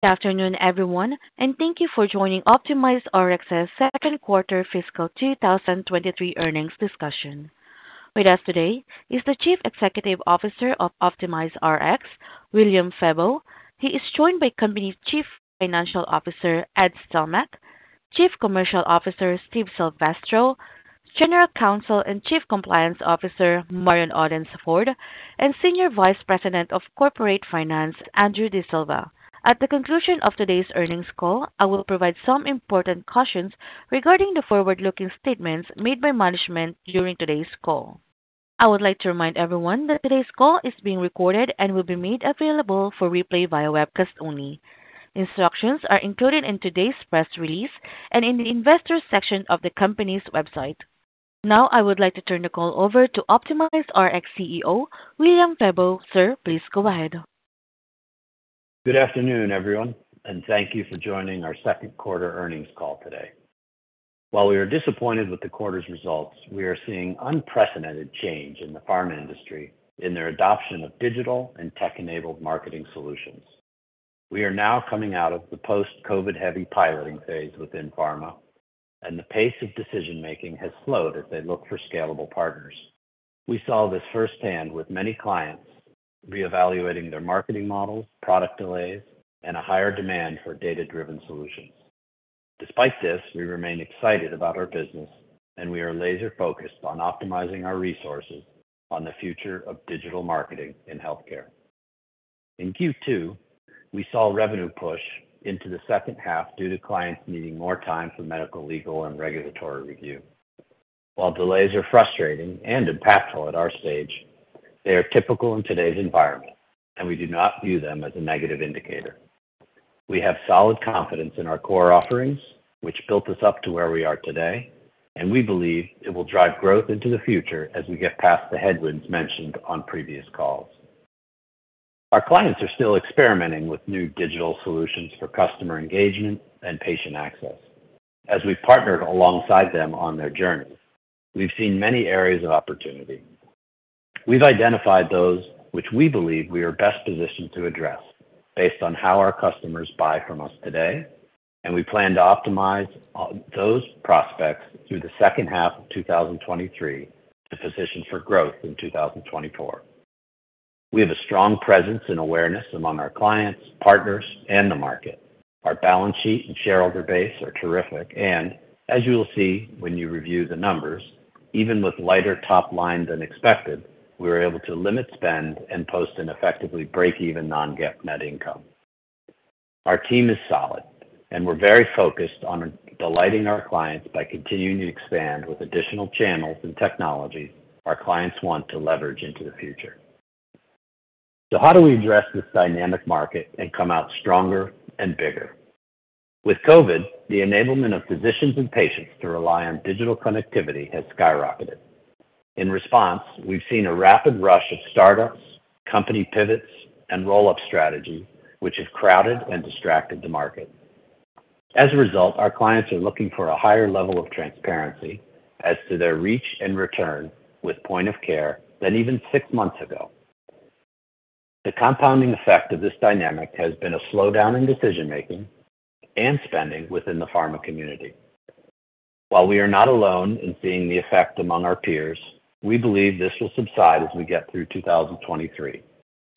Good afternoon, everyone, thank you for joining OptimizeRx's second quarter fiscal 2023 earnings discussion. With us today is the Chief Executive Officer of OptimizeRx, William Febbo. He is joined by Company Chief Financial Officer, Edward Stelmakh, Chief Commercial Officer, Steve Silvestro, General Counsel and Chief Compliance Officer, Marion Odence-Ford, and Senior Vice President of Corporate Finance, Andrew D'Silva. At the conclusion of today's earnings call, I will provide some important cautions regarding the forward-looking statements made by management during today's call. I would like to remind everyone that today's call is being recorded and will be made available for replay via webcast only. Instructions are included in today's press release and in the investors section of the company's website. I would like to turn the call over to OptimizeRx CEO, William Febbo. Sir, please go ahead. Good afternoon, everyone. Thank you for joining our second quarter earnings call today. While we are disappointed with the quarter's results, we are seeing unprecedented change in the pharma industry in their adoption of digital and tech-enabled marketing solutions. We are now coming out of the post-COVID-heavy piloting phase within pharma. The pace of decision-making has slowed as they look for scalable partners. We saw this firsthand with many clients reevaluating their marketing models, product delays, and a higher demand for data-driven solutions. Despite this, we remain excited about our business and we are laser-focused on optimizing our resources on the future of digital marketing in healthcare. In Q2, we saw revenue push into the second half due to clients needing more time for medical, legal, and regulatory review. While delays are frustrating and impactful at our stage, they are typical in today's environment, and we do not view them as a negative indicator. We have solid confidence in our core offerings, which built us up to where we are today, and we believe it will drive growth into the future as we get past the headwinds mentioned on previous calls. Our clients are still experimenting with new digital solutions for customer engagement and patient access. As we've partnered alongside them on their journeys, we've seen many areas of opportunity. We've identified those which we believe we are best positioned to address based on how our customers buy from us today, and we plan to optimize those prospects through the second half of 2023 to position for growth in 2024. We have a strong presence and awareness among our clients, partners, and the market. Our balance sheet and shareholder base are terrific, and as you will see when you review the numbers, even with lighter top line than expected, we were able to limit spend and post an effectively break-even non-GAAP net income. Our team is solid, and we're very focused on delighting our clients by continuing to expand with additional channels and technologies our clients want to leverage into the future. How do we address this dynamic market and come out stronger and bigger? With COVID, the enablement of physicians and patients to rely on digital connectivity has skyrocketed. In response, we've seen a rapid rush of startups, company pivots, and roll-up strategies, which have crowded and distracted the market. As a result, our clients are looking for a higher level of transparency as to their reach and return with point of care than even six months ago. The compounding effect of this dynamic has been a slowdown in decision-making and spending within the pharma community. While we are not alone in seeing the effect among our peers, we believe this will subside as we get through 2023.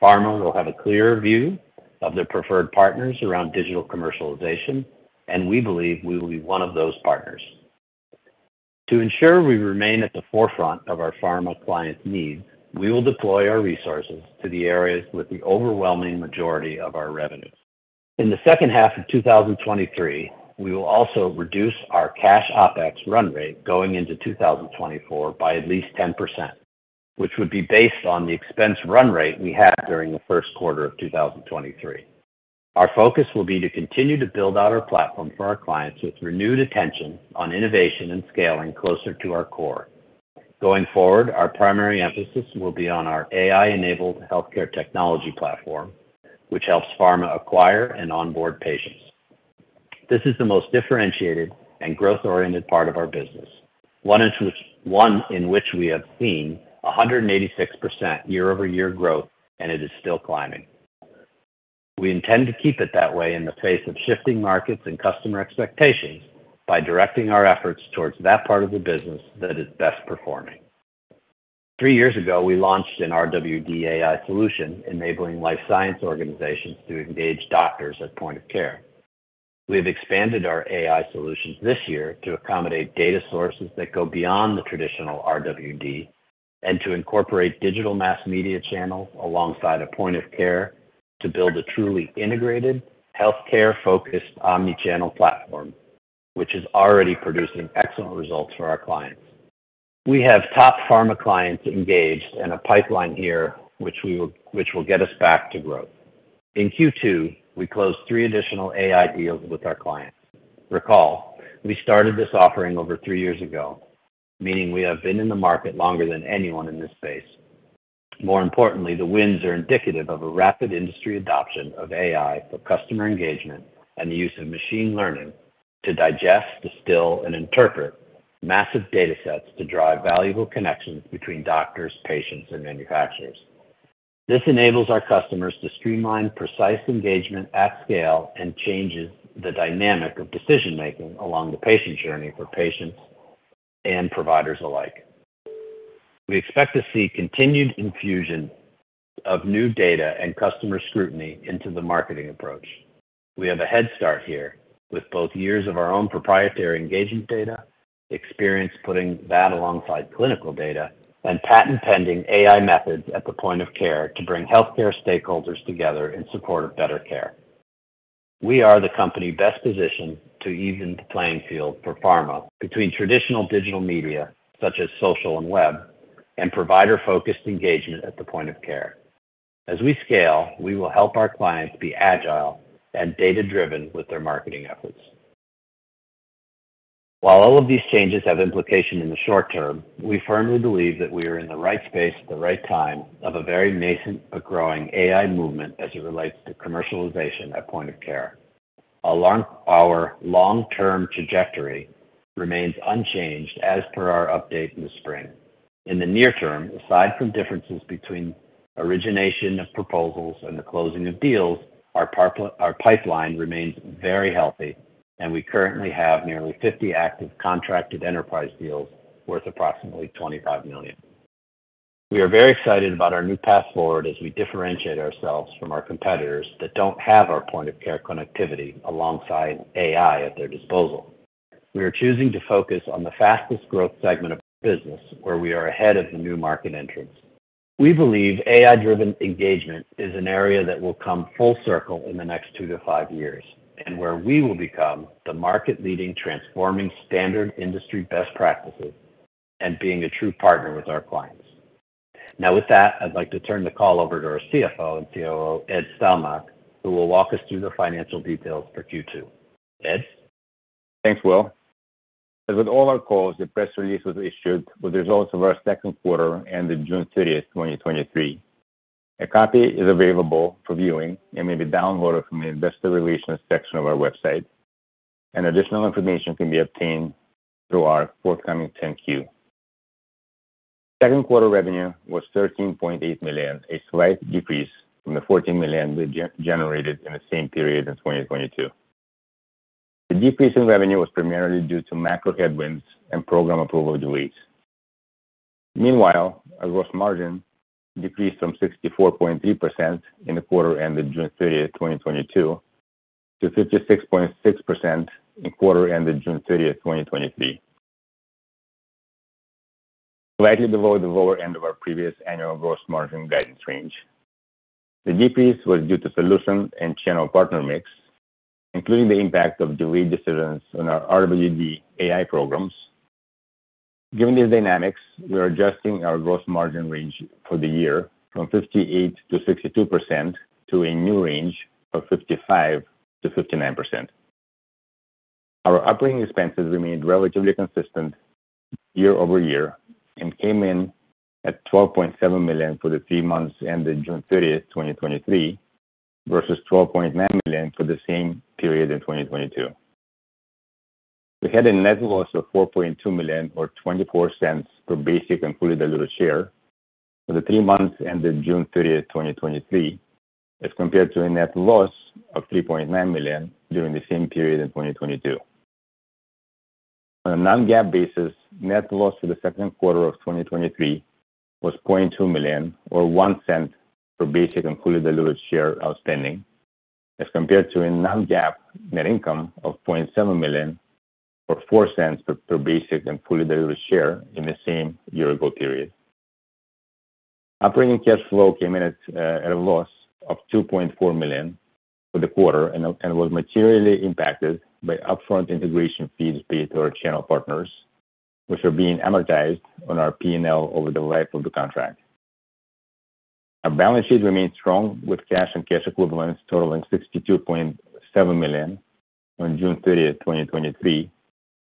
Pharma will have a clearer view of their preferred partners around digital commercialization, and we believe we will be one of those partners. To ensure we remain at the forefront of our pharma clients' needs, we will deploy our resources to the areas with the overwhelming majority of our revenue. In the second half of 2023, we will also reduce our cash OpEx run rate going into 2024 by at least 10%, which would be based on the expense run rate we had during the first quarter of 2023. Our focus will be to continue to build out our platform for our clients with renewed attention on innovation and scaling closer to our core. Going forward, our primary emphasis will be on our AI-enabled healthcare technology platform, which helps pharma acquire and onboard patients. This is the most differentiated and growth-oriented part of our business. One in which we have seen 186% year-over-year growth, and it is still climbing. We intend to keep it that way in the face of shifting markets and customer expectations by directing our efforts towards that part of the business that is best performing. Three years ago, we launched an RWD AI solution, enabling life science organizations to engage doctors at point of care. We have expanded our AI solutions this year to accommodate data sources that go beyond the traditional RWD and to incorporate digital mass media channels alongside a point of care to build a truly integrated, healthcare-focused omni-channel platform, which is already producing excellent results for our clients. We have top pharma clients engaged and a pipeline here which will get us back to growth. In Q2, we closed three additional AI deals with our clients. Recall, we started this offering over three years ago, meaning we have been in the market longer than anyone in this space. More importantly, the wins are indicative of a rapid industry adoption of AI for customer engagement and the use of machine learning to digest, distill, and interpret massive data sets to draw valuable connections between doctors, patients, and manufacturers. This enables our customers to streamline precise engagement at scale and changes the dynamic of decision-making along the patient journey for patients and providers alike. We expect to see continued infusion of new data and customer scrutiny into the marketing approach. We have a head start here with both years of our own proprietary engagement data, experience putting that alongside clinical data, and patent-pending AI methods at the point of care to bring healthcare stakeholders together in support of better care. We are the company best positioned to even the playing field for pharma between traditional digital media, such as social and web, and provider-focused engagement at the point of care. As we scale, we will help our clients be agile and data-driven with their marketing efforts. While all of these changes have implications in the short term, we firmly believe that we are in the right space at the right time of a very nascent but growing AI movement as it relates to commercialization at point of care. Our long-term trajectory remains unchanged as per our update in the spring. In the near term, aside from differences between origination of proposals and the closing of deals, our pipeline remains very healthy, and we currently have nearly 50 active contracted enterprise deals worth approximately $25 million. We are very excited about our new path forward as we differentiate ourselves from our competitors that don't have our point-of-care connectivity alongside AI at their disposal. We are choosing to focus on the fastest growth segment of our business, where we are ahead of the new market entrants. We believe AI-driven engagement is an area that will come full circle in the next 2 to 5 years, and where we will become the market-leading, transforming standard industry best practices and being a true partner with our clients. Now, with that, I'd like to turn the call over to our CFO and COO, Ed Stelmakh, who will walk us through the financial details for Q2. Ed? Thanks, Will. As with all our calls, the press release was issued with the results of our second quarter ended June 30th, 2023. A copy is available for viewing and may be downloaded from the investor relations section of our website, additional information can be obtained through our forthcoming 10-Q. Second quarter revenue was $13.8 million, a slight decrease from the $14 million we generated in the same period in 2022. The decrease in revenue was primarily due to macro headwinds and program approval delays. Meanwhile, our gross margin decreased from 64.3% in the quarter ended June 30th, 2022, to 56.6% in quarter ended June 30th, 2023. Slightly below the lower end of our previous annual gross margin guidance range. The decrease was due to solution and channel partner mix, including the impact of delayed decisions on our RWD AI programs. Given these dynamics, we are adjusting our gross margin range for the year from 58%-62% to a new range of 55%-59%. Our operating expenses remained relatively consistent year-over-year and came in at $12.7 million for the three months ended June 30, 2023, versus $12.9 million for the same period in 2022. We had a net loss of $4.2 million, or $0.24 per basic and fully diluted share for the three months ended June 30, 2023, as compared to a net loss of $3.9 million during the same period in 2022. On a non-GAAP basis, net loss for the second quarter of 2023 was $0.2 million, or $0.01 per basic and fully diluted share outstanding, as compared to a non-GAAP net income of $0.7 million, or $0.04 per, per basic and fully diluted share in the same year-ago period. Operating cash flow came in at, at a loss of $2.4 million for the quarter and, and was materially impacted by upfront integration fees paid to our channel partners, which are being amortized on our P&L over the life of the contract. Our balance sheet remains strong, with cash and cash equivalents totaling $62.7 million on June 30, 2023,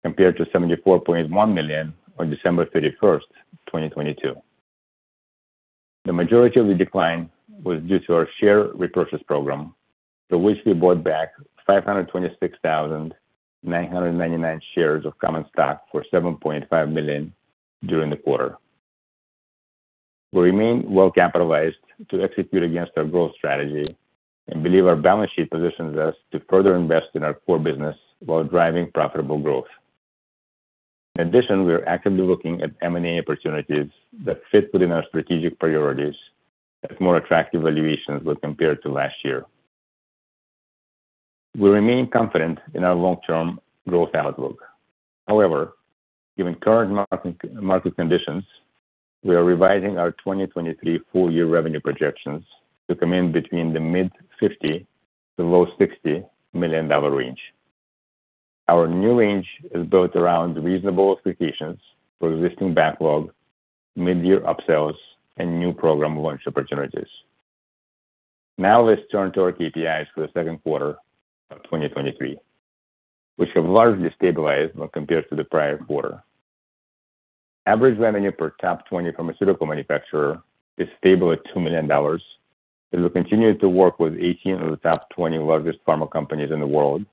compared to $74.1 million on December 31, 2022. The majority of the decline was due to our share repurchase program, for which we bought back 526,999 shares of common stock for $7.5 million during the quarter. We remain well-capitalized to execute against our growth strategy and believe our balance sheet positions us to further invest in our core business while driving profitable growth. In addition, we are actively looking at M&A opportunities that fit within our strategic priorities at more attractive valuations when compared to last year. We remain confident in our long-term growth outlook. However, given current market conditions, we are revising our 2023 full-year revenue projections to come in between the mid-$50 million to low-$60 million range. Our new range is built around reasonable expectations for existing backlog, mid-year upsells, and new program launch opportunities. Now, let's turn to our KPIs for the second quarter of 2023, which have largely stabilized when compared to the prior quarter. Average revenue per top 20 pharmaceutical manufacturer is stable at $2 million. We will continue to work with 18 of the top 20 largest pharma companies in the world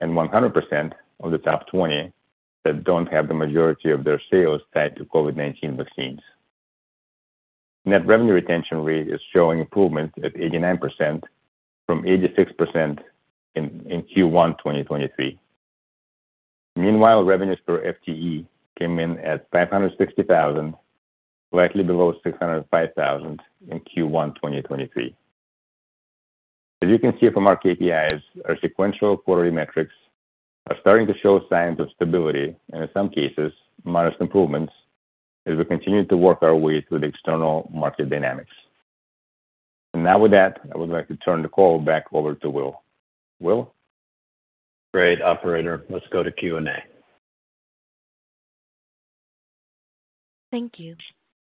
and 100% of the top 20 that don't have the majority of their sales tied to COVID-19 vaccines. Net revenue retention rate is showing improvement at 89% from 86% in Q1, 2023. Meanwhile, revenues per FTE came in at $560,000, slightly below $605,000 in Q1, 2023. As you can see from our KPIs, our sequential quarterly metrics are starting to show signs of stability and in some cases, modest improvements as we continue to work our way through the external market dynamics. Now with that, I would like to turn the call back over to Will. Will? Great, operator. Let's go to Q&A. Thank you.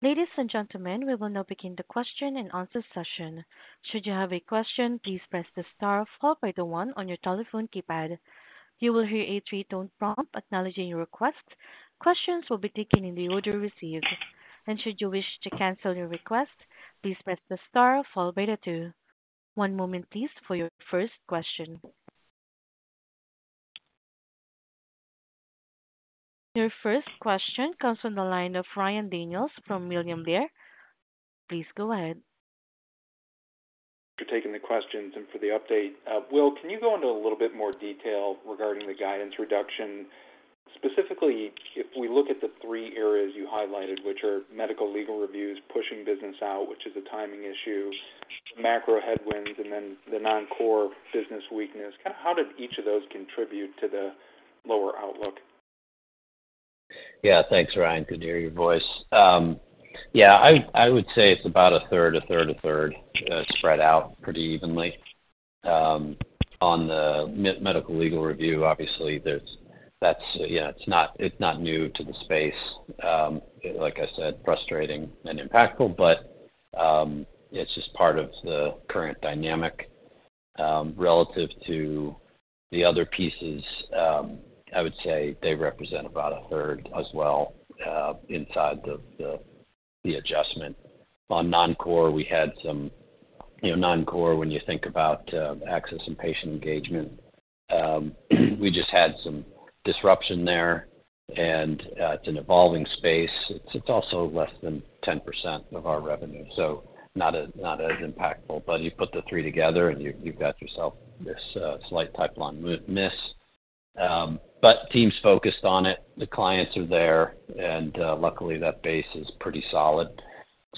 Ladies and gentlemen, we will now begin the question and answer session. Should you have a question, please press the star followed by the one on your telephone keypad. You will hear a three-tone prompt acknowledging your request. Questions will be taken in the order received, and should you wish to cancel your request, please press the star followed by the two. One moment, please, for your first question. Your first question comes from the line of Ryan Daniels from William Blair. Please go ahead. For taking the questions and for the update. Will, can you go into a little bit more detail regarding the guidance reduction? Specifically, if we look at the three areas you highlighted, which are medical legal reviews, pushing business out, which is a timing issue, macro headwinds, and then the non-core business weakness. Kinda how did each of those contribute to the lower outlook? Yeah, thanks, Ryan. Good to hear your voice. Yeah, I, I would say it's about a third, a third, a third, spread out pretty evenly. On the medical legal review, obviously, there's. That's, yeah, it's not, it's not new to the space. Like I said, frustrating and impactful, it's just part of the current dynamic. Relative to the other pieces, I would say they represent about a third as well, inside the, the, the adjustment. On non-core, we had some, you know, non-core, when you think about access and patient engagement, we just had some disruption there, it's an evolving space. It's, it's also less than 10% of our revenue, not as, not as impactful. You put the three together, and you, you've got yourself this slight pipeline miss. Teams focused on it, the clients are there, luckily, that base is pretty solid.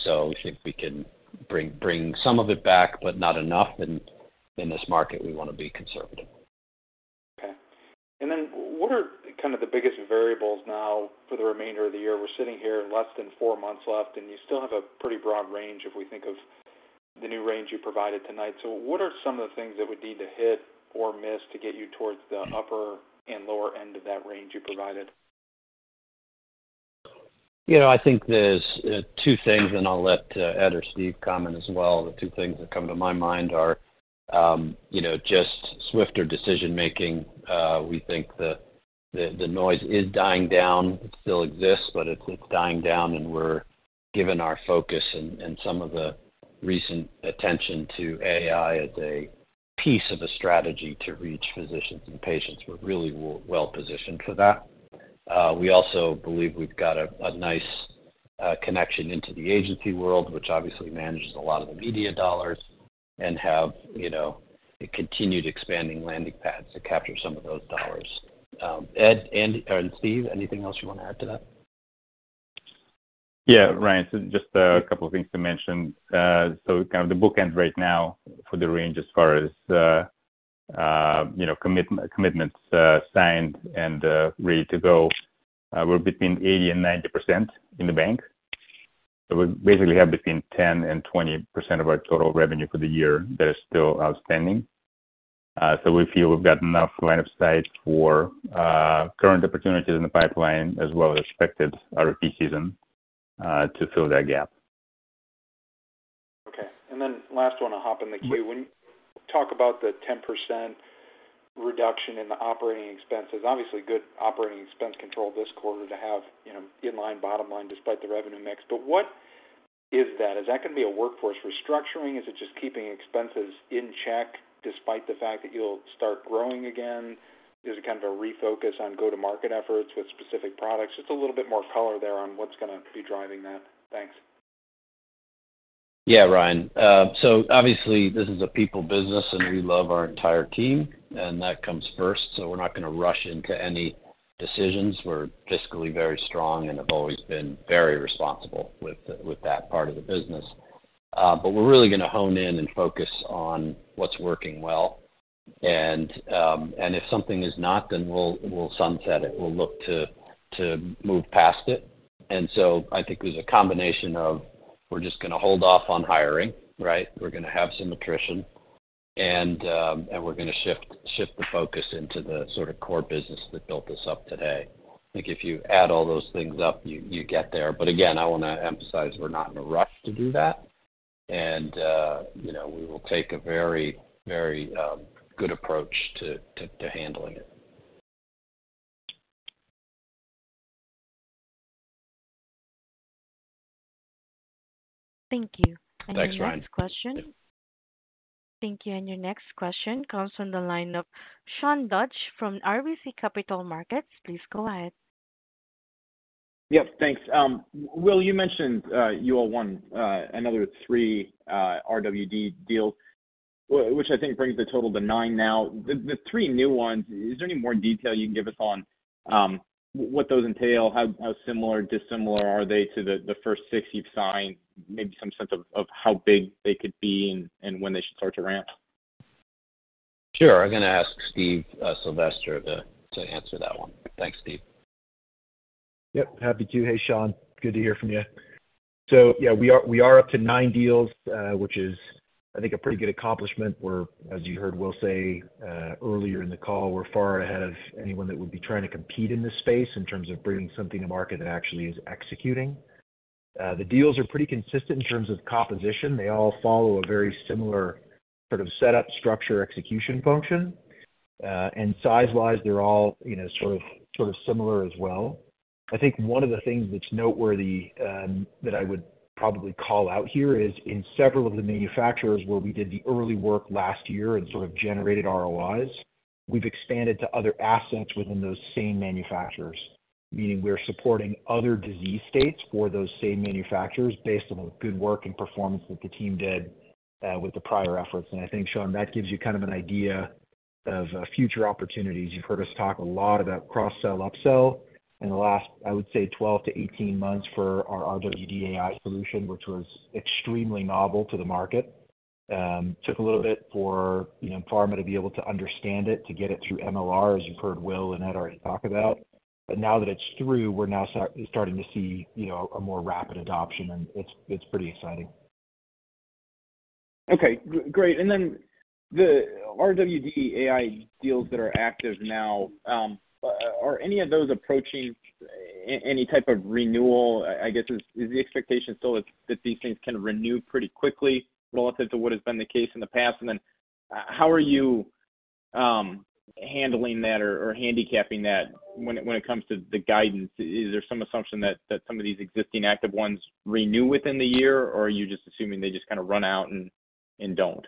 We think we can bring, bring some of it back, but not enough. In this market, we wanna be conservative. Okay. What are kind of the biggest variables now for the remainder of the year? We're sitting here, less than four months left, and you still have a pretty broad range if we think of the new range you provided tonight. What are some of the things that would need to hit or miss to get you towards the upper and lower end of that range you provided? You know, I think there's two things, and I'll let Ed or Steve comment as well. The two things that come to my mind are, you know, just swifter decision making. We think the, the, the noise is dying down. It still exists, but it's, it's dying down, and we're giving our focus and, and some of the recent attention to AI as a piece of a strategy to reach physicians and patients. We're really well positioned for that. We also believe we've got a nice connection into the agency world, which obviously manages a lot of the media dollars, and have, you know, continued expanding landing pads to capture some of those dollars. Ed and, or Steve, anything else you wanna add to that? Yeah, Ryan, so just a couple of things to mention. So kind of the bookend right now for the range as far as, you know, commitments signed and ready to go, we're between 80%-90% in the bank. We basically have between 10%-20% of our total revenue for the year that is still outstanding. So we feel we've got enough line of sight for current opportunities in the pipeline, as well as expected RFP season, to fill that gap. Okay. Last one, I'll hop in the queue. When you talk about the 10% reduction in the operating expenses, obviously good operating expense control this quarter to have, you know, in line bottom line despite the revenue mix. What is that? Is that gonna be a workforce restructuring? Is it just keeping expenses in check despite the fact that you'll start growing again? Is it kind of a refocus on go-to-market efforts with specific products? Just a little bit more color there on what's gonna be driving that. Thanks. Yeah, Ryan. Obviously, this is a people business, and we love our entire team, and that comes first. We're not gonna rush into any decisions. We're fiscally very strong and have always been very responsible with, with that part of the business. We're really gonna hone in and focus on what's working well, if something is not, then we'll, we'll sunset it. We'll look to, to move past it. I think there's a combination of we're just gonna hold off on hiring, right? We're gonna have some attrition, we're gonna shift, shift the focus into the sort of core business that built us up today. I think if you add all those things up, you, you get there. again, I wanna emphasize we're not in a rush to do that. You know, we will take a very, very good approach to handling it. Thank you. Thanks, Ryan. Your next question. Thank you. Your next question comes from the line of Sean Dodge from RBC Capital Markets. Please go ahead. Yep, thanks. Will, you mentioned, you all won another three RWD deals, which I think brings the total to nine now. The three new ones, is there any more detail you can give us on what those entail? How similar or dissimilar are they to the first six you've signed? Maybe some sense of how big they could be and when they should start to ramp? Sure. I'm going to ask Steve Silvestro to, to answer that one. Thanks, Steve. Yep, happy to. Hey, Sean, good to hear from you. Yeah, we are, we are up to nine deals, which is, I think, a pretty good accomplishment. We're, as you heard Will say, earlier in the call, we're far ahead of anyone that would be trying to compete in this space in terms of bringing something to market that actually is executing. The deals are pretty consistent in terms of composition. They all follow a very similar sort of setup, structure, execution function. Size-wise, they're all, you know, sort of, sort of similar as well. I think one of the things that's noteworthy, that I would probably call out here is in several of the manufacturers where we did the early work last year and sort of generated ROIs, we've expanded to other assets within those same manufacturers, meaning we're supporting other disease states for those same manufacturers based on the good work and performance that the team did with the prior efforts. I think, Sean, that gives you kind of an idea of future opportunities. You've heard us talk a lot about cross-sell, up-sell in the last, I would say, 12-18 months for our RWD AI solution, which was extremely novel to the market. Took a little bit for, you know, pharma to be able to understand it, to get it through MLR, as you've heard Will and Ed already talk about. Now that it's through, we're now starting to see, you know, a more rapid adoption, and it's, it's pretty exciting. Okay, great. Then the RWD AI deals that are active now, are any of those approaching any type of renewal? I guess, is the expectation still that these things can renew pretty quickly relative to what has been the case in the past? Then, how are you handling that or handicapping that when it comes to the guidance? Is there some assumption that some of these existing active ones renew within the year, or are you just assuming they just kind of run out and don't?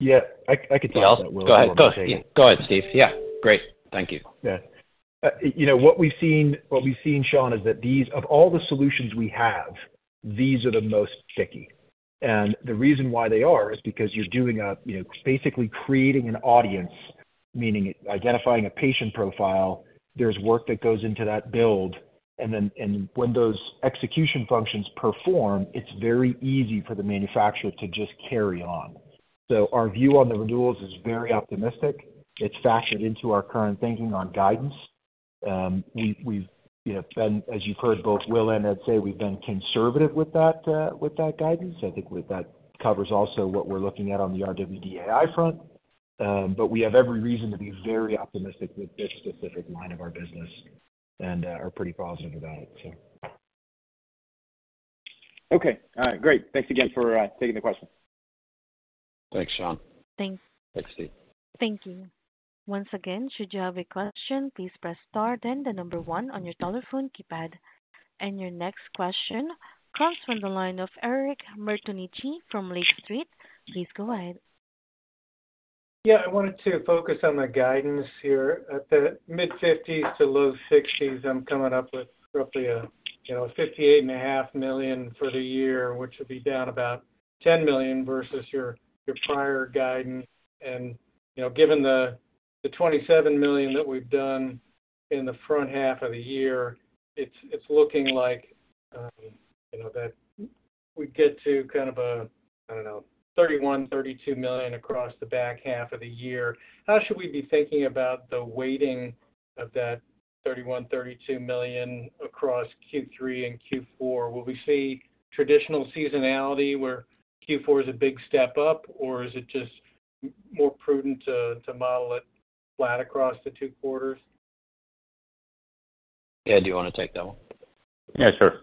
Yeah, I could take that, Will. Go ahead. Go ahead, Steve. Yeah, great. Thank you. Yeah. You know, what we've seen, what we've seen, Sean, is that these, of all the solutions we have, these are the most sticky. The reason why they are is because you're doing a, you know, basically creating an audience, meaning identifying a patient profile. There's work that goes into that build, and when those execution functions perform, it's very easy for the manufacturer to just carry on. Our view on the renewals is very optimistic. It's fashioned into our current thinking on guidance. We've, you know, been, as you've heard both Will and Ed say, we've been conservative with that, with that guidance. I think with that covers also what we're looking at on the RWD AI front. We have every reason to be very optimistic with this specific line of our business and are pretty positive about it, so. Okay, all right. Great. Thanks again for taking the question. Thanks, Sean. Thanks. Thanks, Steve. Thank you. Once again, should you have a question, please press star, then one on your telephone keypad. Your next question comes from the line of Eric Martinuzzi from Lake Street. Please go ahead. Yeah, I wanted to focus on the guidance here. At the mid-$50s to low $60s, I'm coming up with roughly a, you know, $58.5 million for the year, which would be down about $10 million versus your, your prior guidance. You know, given the $27 million that we've done in the front half of the year, it's, it's looking like, you know, that we get to kind of a, I don't know, $31 million-$32 million across the back half of the year. How should we be thinking about the weighting of that $31 million-$32 million across Q3 and Q4? Will we see traditional seasonality, where Q4 is a big step up, or is it just more prudent to, to model it flat across the two quarters? Ed, do you want to take that one? Yeah, sure.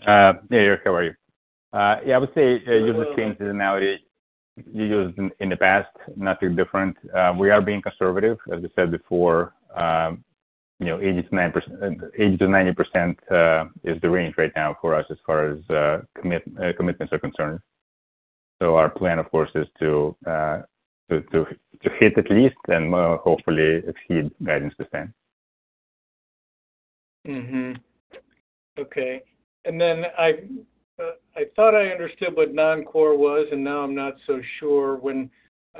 Hey, Eric, how are you? Yeah, I would say you would see the analogy you used in, in the past. Nothing different. We are being conservative, as we said before. You know, 80%-90% is the range right now for us as far as commitments are concerned. Our plan, of course, is to hit at least and hopefully exceed guidance the same. Okay. I thought I understood what non-core was, and now I'm not so sure. When,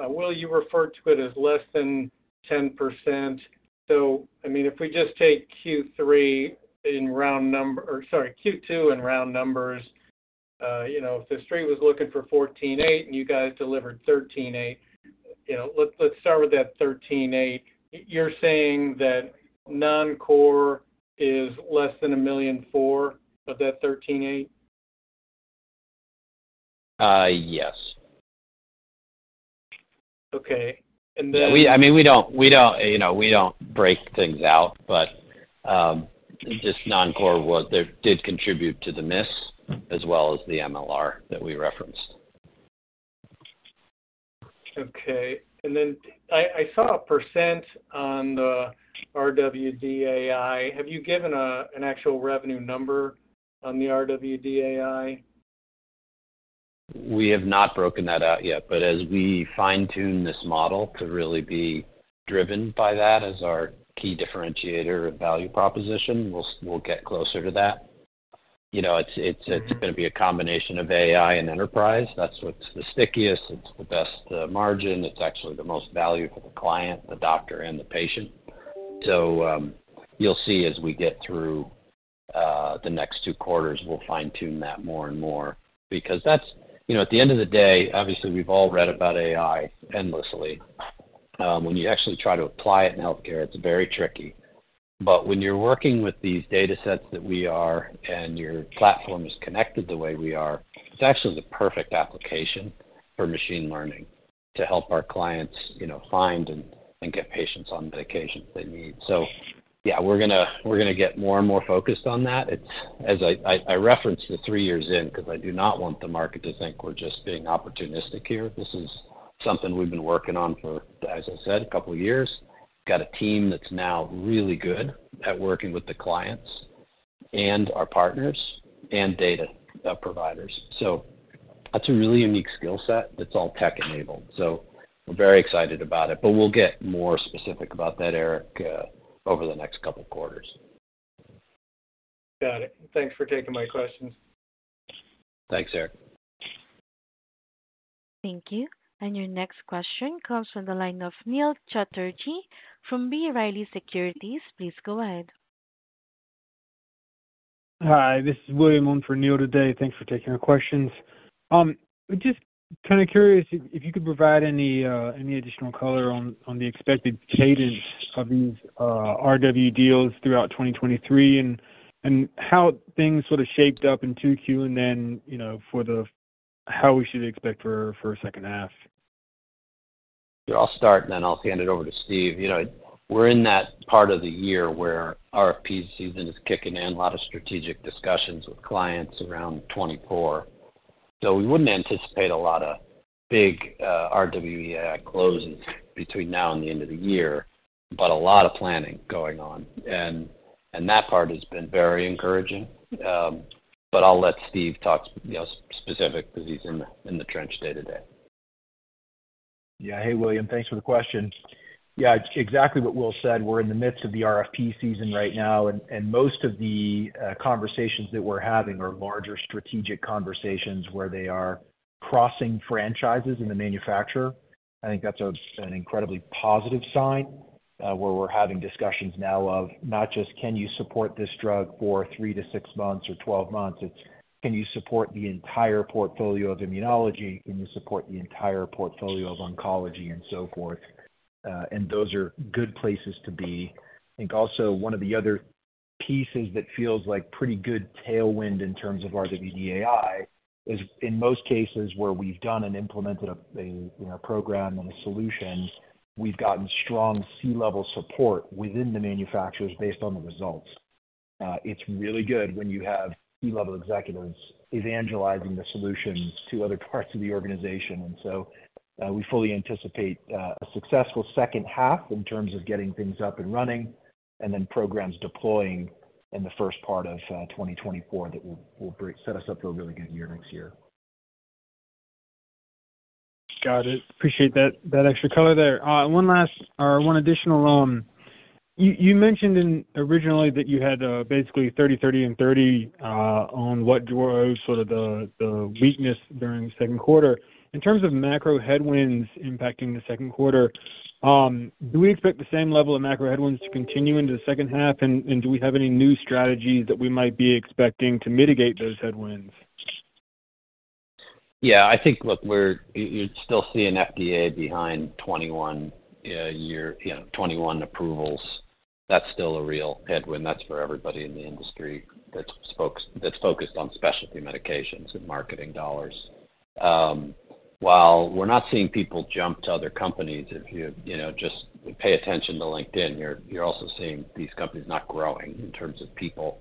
Will, you referred to it as less than 10%. If we just take Q2 in round numbers, if the street was looking for $14.8 million and you guys delivered $13.8 million, let's start with that $13.8 million. You're saying that non-core is less than $1.4 million of that $13.8 million? Yes.... Okay, and then- Yeah, we, I mean, we don't, we don't, you know, we don't break things out, but, just non-core was, they did contribute to the miss as well as the MLR that we referenced. Okay. I saw a % on the RWD AI. Have you given an actual revenue number on the RWD AI? We have not broken that out yet. As we fine-tune this model to really be driven by that as our key differentiator and value proposition, we'll, we'll get closer to that. You know, it's, it's, it's gonna be a combination of AI and enterprise. That's what's the stickiest, it's the best margin. It's actually the most value for the client, the doctor and the patient. You'll see as we get through the next two quarters, we'll fine-tune that more and more because that's... You know, at the end of the day, obviously, we've all read about AI endlessly. When you actually try to apply it in healthcare, it's very tricky. When you're working with these datasets that we are, and your platform is connected the way we are, it's actually the perfect application for machine learning to help our clients, you know, find and, and get patients on the medications they need. Yeah, we're gonna, we're gonna get more and more focused on that. It's, as I, I, I referenced the three years in, 'cause I do not want the market to think we're just being opportunistic here. This is something we've been working on for, as I said, a couple of years. Got a team that's now really good at working with the clients and our partners and data providers. That's a really unique skill set that's all tech-enabled, so we're very excited about it. We'll get more specific about that, Eric, over the next couple of quarters. Got it. Thanks for taking my questions. Thanks, Eric. Thank you. Your next question comes from the line of Neil Chatterji from B. Riley Securities. Please go ahead. Hi, this is William on for Neil today. Thanks for taking our questions. Just kind of curious if you could provide any additional color on the expected cadence of these RW deals throughout 2023 and how things sort of shaped up in 2Q, and then how we should expect for a second half. I'll start, and then I'll hand it over to Steve. You know, we're in that part of the year where RFP season is kicking in. A lot of strategic discussions with clients around 2024. We wouldn't anticipate a lot of big, RWD AI closes between now and the end of the year, but a lot of planning going on. That part has been very encouraging. But I'll let Steve talk, you know, specific, 'cause he's in the, in the trench day to day. Yeah. Hey, William. Thanks for the question. Yeah, exactly what Will said. We're in the midst of the RFP season right now, most of the conversations that we're having are larger strategic conversations where they are crossing franchises in the manufacturer. I think that's an incredibly positive sign, where we're having discussions now of not just, "Can you support this drug for 3 to 6 months or 12 months?" It's, "Can you support the entire portfolio of immunology? Can you support the entire portfolio of oncology and so forth?" Those are good places to be. I think also one of the other pieces that feels like pretty good tailwind in terms of RWD AI is in most cases where we've done and implemented you know, a program and a solution, we've gotten strong C-level support within the manufacturers based on the results. It's really good when you have C-level executives evangelizing the solutions to other parts of the organization. We fully anticipate a successful second half in terms of getting things up and running, and then programs deploying in the first part of 2024, that will set us up for a really good year next year. Got it. Appreciate that, that extra color there. One last or one additional... You mentioned in originally that you had, basically 30, 30, and 30, on what drove sort of the, the weakness during the second quarter. In terms of macro headwinds impacting the second quarter, do we expect the same level of macro headwinds to continue into the second half? Do we have any new strategies that we might be expecting to mitigate those headwinds? Yeah, I think, look, we're, you're still seeing FDA behind 21 year, you know, 21 approvals. That's still a real headwind. That's for everybody in the industry that's focused on specialty medications and marketing dollars. While we're not seeing people jump to other companies, if you, you know, just pay attention to LinkedIn, you're, you're also seeing these companies not growing in terms of people.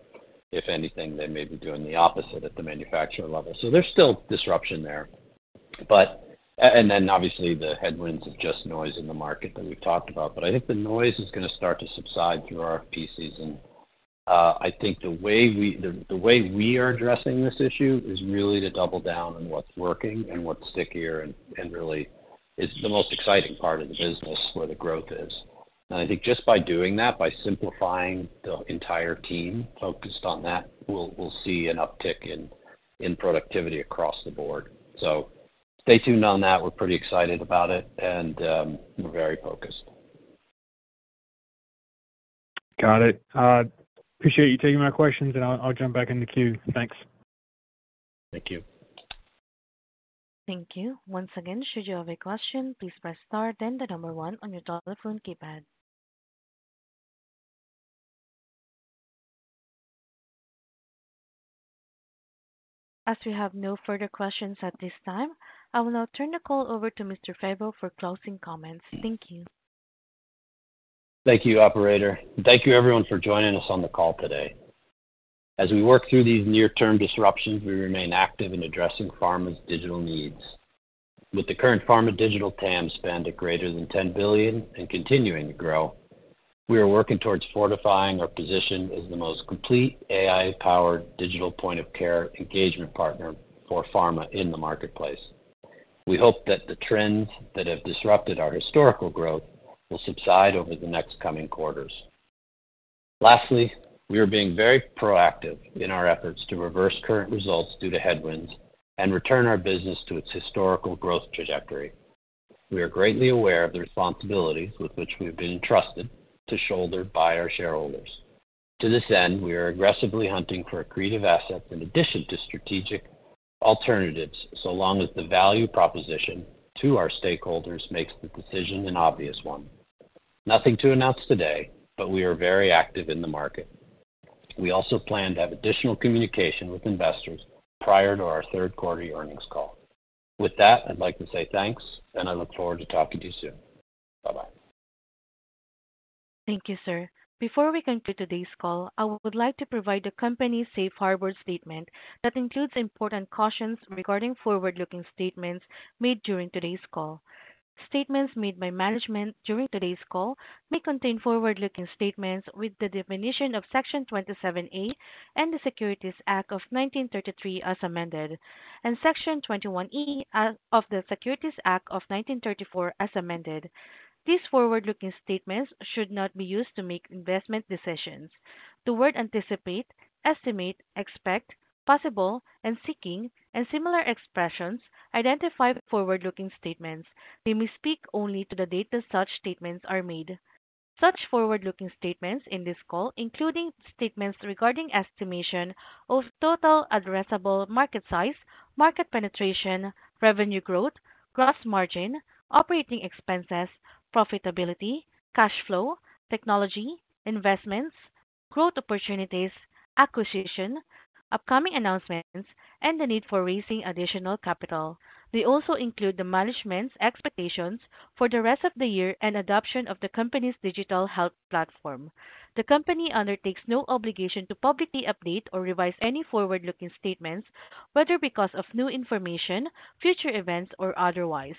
If anything, they may be doing the opposite at the manufacturer level. There's still disruption there. Then obviously, the headwinds of just noise in the market that we've talked about. I think the noise is gonna start to subside through our RFP season. I think the way we, the way we are addressing this issue is really to double down on what's working and what's stickier, and really it's the most exciting part of the business where the growth is. I think just by doing that, by simplifying the entire team focused on that, we'll, we'll see an uptick in, in productivity across the board. Stay tuned on that. We're pretty excited about it, and we're very focused. Got it. Appreciate you taking my questions, and I'll, I'll jump back in the queue. Thanks. Thank you. Thank you. Once again, should you have a question, please press star, then one on your telephone keypad. We have no further questions at this time, I will now turn the call over to Mr. Febbo for closing comments. Thank you. Thank you, operator. Thank you everyone for joining us on the call today. As we work through these near-term disruptions, we remain active in addressing pharma's digital needs. With the current pharma digital TAM spend at greater than $10 billion and continuing to grow, we are working towards fortifying our position as the most complete AI-powered digital point-of-care engagement partner for pharma in the marketplace. We hope that the trends that have disrupted our historical growth will subside over the next coming quarters. We are being very proactive in our efforts to reverse current results due to headwinds and return our business to its historical growth trajectory. We are greatly aware of the responsibilities with which we have been entrusted to shoulder by our shareholders. To this end, we are aggressively hunting for accretive assets in addition to strategic alternatives, so long as the value proposition to our stakeholders makes the decision an obvious one. Nothing to announce today, we are very active in the market. We also plan to have additional communication with investors prior to our third quarter earnings call. With that, I'd like to say thanks, and I look forward to talking to you soon. Bye-bye. Thank you, sir. Before we conclude today's call, I would like to provide a company's safe harbor statement that includes important cautions regarding forward-looking statements made during today's call. Statements made by management during today's call may contain forward-looking statements with the definition of Section 27A and the Securities Act of 1933 as amended, and Section 21E of the Securities Exchange Act of 1934 as amended. These forward-looking statements should not be used to make investment decisions. The word anticipate, estimate, expect, possible, and seeking, and similar expressions, identify forward-looking statements. They may speak only to the date that such statements are made. Such forward-looking statements in this call, including statements regarding estimation of total addressable market size, market penetration, revenue growth, gross margin, operating expenses, profitability, cash flow, technology, investments, growth opportunities, acquisition, upcoming announcements, and the need for raising additional capital. They also include the management's expectations for the rest of the year and adoption of the company's digital health platform. The company undertakes no obligation to publicly update or revise any forward-looking statements, whether because of new information, future events, or otherwise.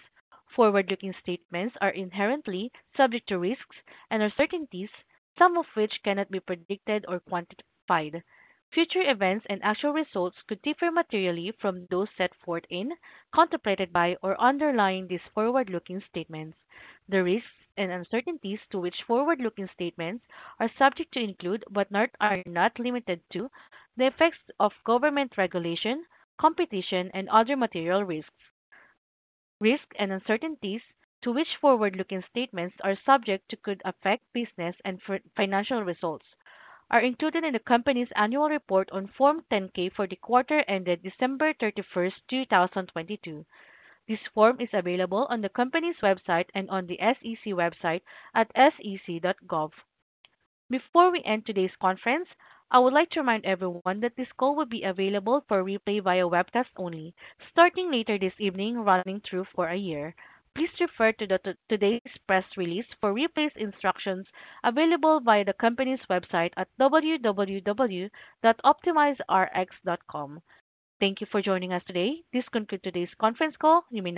Forward-looking statements are inherently subject to risks and uncertainties, some of which cannot be predicted or quantified. Future events and actual results could differ materially from those set forth in, contemplated by, or underlying these forward-looking statements. The risks and uncertainties to which forward-looking statements are subject to include, but are not limited to, the effects of government regulation, competition, and other material risks. Risks and uncertainties to which forward-looking statements are subject to could affect business and for financial results, are included in the company's annual report on Form 10-K for the quarter ended December 31st, 2022. This form is available on the company's website and on the SEC website at sec.gov. Before we end today's conference, I would like to remind everyone that this call will be available for replay via webcast only, starting later this evening, running through for a year. Please refer to today's press release for replay's instructions available via the company's website at www.optimizerx.com. Thank you for joining us today. This concludes today's conference call. You may now disconnect.